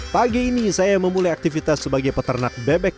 pagi ini saya memulai aktivitas sebagai peternak bebek